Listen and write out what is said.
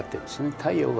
太陽が。